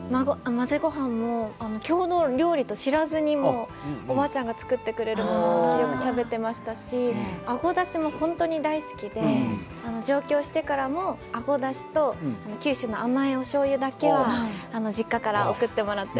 混ぜごはんも郷土料理と知らずにおばあちゃんが作ってくれるものをよく食べていましたしあごだしも本当に大好きで上京してからもあごだしと九州の甘いおしょうゆだけは実家から送ってもらって。